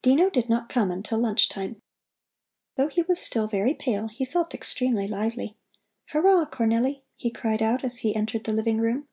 Dino did not come until lunch time. Though he was still very pale, he felt extremely lively. "Hurrah, Cornelli!" he cried out as he entered the living room.